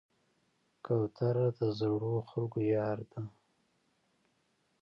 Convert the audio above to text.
کوتره د زړو خلکو یار ده.